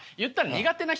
苦手な人。